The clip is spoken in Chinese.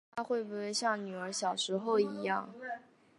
看她会不会像女儿小时候一样